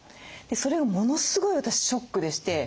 それがものすごい私ショックでして。